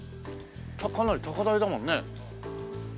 かなり高台だもんね。